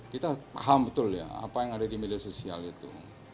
kita paham betul ya apa yang ada di media sosial itu